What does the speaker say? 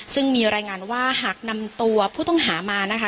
ซึ่งมีรายงานว่าหากนำตัวผู้ต้องหามานะคะ